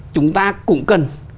chúng ta cũng cần